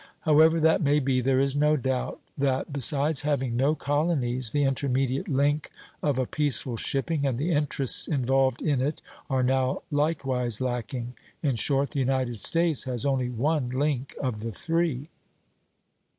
However that may be, there is no doubt that, besides having no colonies, the intermediate link of a peaceful shipping, and the interests involved in it, are now likewise lacking. In short, the United States has only one link of the three.